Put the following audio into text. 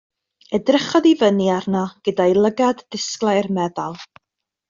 Edrychodd i fyny arno gyda'i lygad disglair meddal.